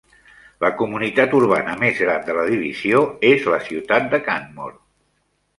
La comunitat urbana més gran de la divisió és la ciutat de Canmore.